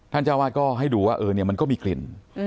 เจ้าวาดก็ให้ดูว่ามันก็มีกลิ่น